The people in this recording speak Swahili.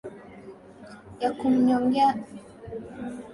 ya kumnyoga na mti aliyonyongewa upo mpaka sasa sehemu ya oldmoshi bomani karibu na